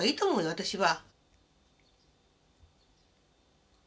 私は。